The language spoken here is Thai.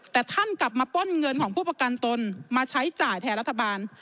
แต่ท่านกลับมาป้นเงินของผู้ประกันตนมาใช้จ่ายแทนรัฐบาล